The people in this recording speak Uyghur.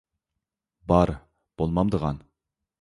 بار، بولمامدىغان.